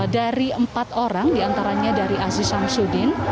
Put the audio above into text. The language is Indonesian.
dari empat orang diantaranya dari aziz samsuddin